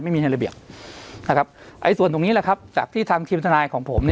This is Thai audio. ไม่มีในระเบียบส่วนตรงนี้จากที่ทางทีมธนายของผม